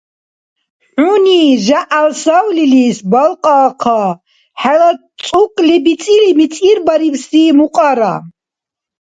ХӀуни жагӀял савлилис балкьаахъа хӀела цӀукли бицӀили мицӀирбарибси мукьара.